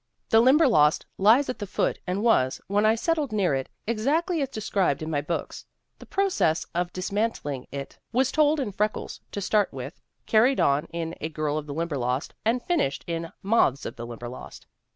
The Limberlost lies at the foot and was, when I settled near it, exactly as described in my books. The process of dismantling it was told in Freckles to start with, carried on in A Girl of the Limberlost, and finished in Moths of the Limberlost.